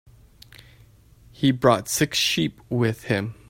He brought six sheep with him.